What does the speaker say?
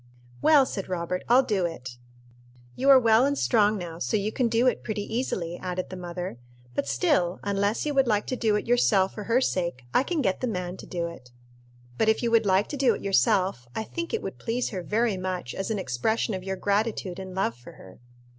"Well," said Robert, "I'll do it." "You are well and strong now, so you can do it pretty easily," added the mother; "but still, unless you would like to do it yourself for her sake, I can get the man to do it. But if you would like to do it yourself, I think it would please her very much as an expression of your gratitude and love for her."